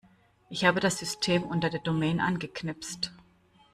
Ich habe das System unter der Domain angeknipst.